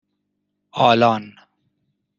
آلان